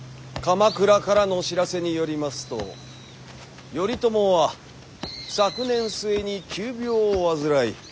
鎌倉からの知らせによりますと頼朝は昨年末に急病を患い